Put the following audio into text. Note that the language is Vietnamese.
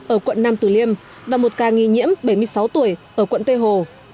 ở quận nam tử liêm và một ca nghi nhiễm bảy mươi sáu tuổi ở quận tây hồ